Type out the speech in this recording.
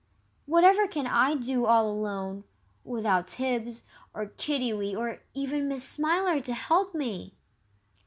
"Whatever can I do all alone, without Tibbs, or Kiddiwee, or even Miss Smiler to help me?"